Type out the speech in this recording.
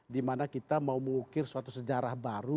dimana kita mau mengukir suatu sejarah baru